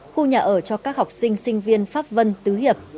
khu nhà ở cho các học sinh sinh viên pháp vân tứ hiệp